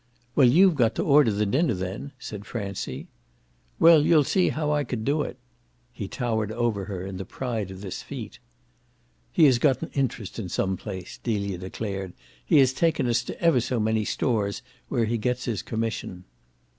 "Well, you've got to order the dinner then," said Francie. "Well, you'll see how I could do it!" He towered over her in the pride of this feat. "He has got an interest in some place," Delia declared. "He has taken us to ever so many stores where he gets his commission."